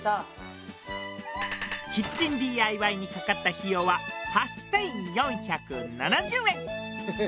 キッチンＤＩＹにかかった費用は８、４７０円。